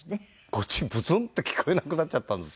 こっちブツンって聞こえなくなっちゃったんですよ。